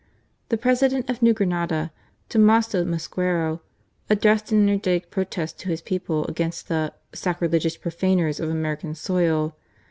The President of New Grenada, Tommaso Mosquera, addressed an energetic protest to his people against the "sacrilegious profaners of American soil."